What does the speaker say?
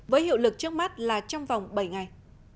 với hiệu lực trước mắt là trong vòng bảy ngày